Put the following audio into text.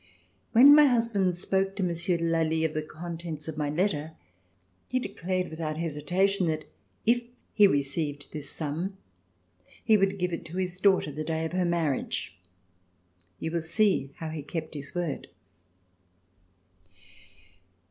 When my husband spoke to Monsieur de Lally of the contents of my letter, he declared without hesitation that if he received this sum he would give it to his daughter the day of her marriage. You will see how he kept his word.